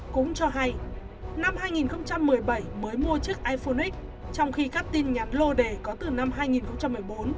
cũng cho hay năm hai nghìn một mươi bảy mới mua chiếc iphonic trong khi các tin nhắn lô đề có từ năm hai nghìn một mươi bốn